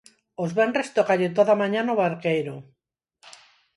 Os venres tócalle toda a mañá no Barqueiro.